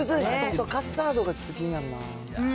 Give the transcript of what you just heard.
カスタードがちょっと気になるな。